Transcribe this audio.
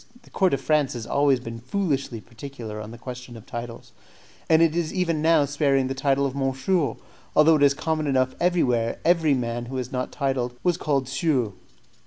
The court of France has always been foolishly particular on the question of titles, and is even now sparing of the title of monsieur, although it is common enough everywhere every man who was not titled was called Sieur.